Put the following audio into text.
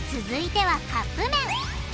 続いてはカップめん！